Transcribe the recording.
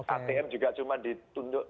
atm juga cuma ditunjuk